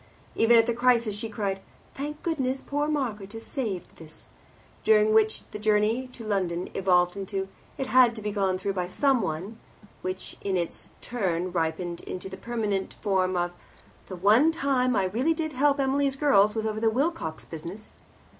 Even at the crisis she had cried, "Thank goodness, poor Margaret is saved this!" which during the journey to London evolved into, "It had to be gone through by someone," which in its turn ripened into the permanent form of "The one time I really did help Emily's girls was over the Wilcox business."